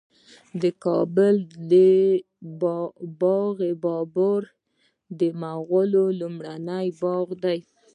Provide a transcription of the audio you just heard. د کابل د باغ بابر د مغلو لومړنی باغ دی